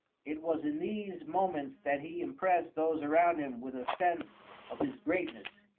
It was in these moments that he impressed those around him with a sense of his greatness.